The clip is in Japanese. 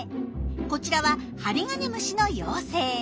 こちらはハリガネムシの幼生。